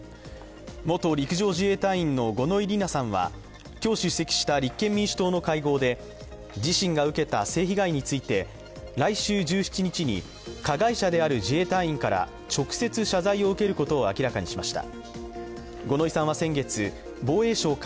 元陸上自衛隊員の五ノ井里奈さんは自身が受けた性被害について今日出席した立憲民主党の会合で、自身が受けた性被害について、来週１７日に加害者である自衛隊員から直接謝罪を受けることを明らかにしました。